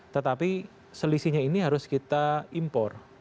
tetapi selisihnya ini harus kita impor